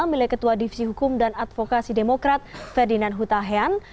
milik ketua divisi hukum dan advokasi demokrat ferdinand huta hean